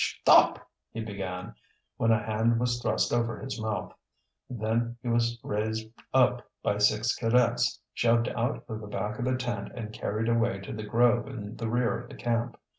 "Shtop!" he began, when a hand was thrust over his mouth. Then he was raised up by six cadets, shoved out of the back of the tent and carried away to the grove in the rear of the camp.